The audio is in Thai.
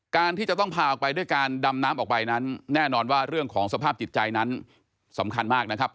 ที่จะต้องพาออกไปด้วยการดำน้ำออกไปนั้นแน่นอนว่าเรื่องของสภาพจิตใจนั้นสำคัญมากนะครับ